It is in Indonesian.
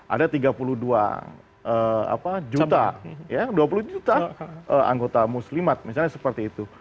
ada tiga puluh dua juta anggota muslimat misalnya seperti itu